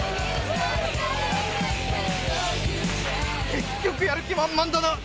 結局やる気満々だな。